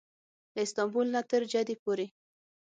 له استانبول نه تر جدې پورې.